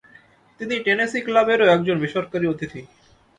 তিনি টেনেসী ক্লাবেরও একজন বেসরকারী অতিথি।